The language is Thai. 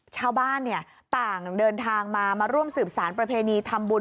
ชาวบ้านต่างเดินทางมามาร่วมสืบสารประเพณีทำบุญ